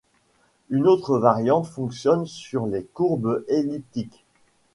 Une autre variante fonctionne sur les courbes elliptiques.